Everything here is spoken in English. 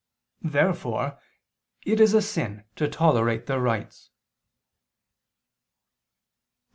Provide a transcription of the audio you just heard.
Therefore it is a sin to tolerate their rites. Obj.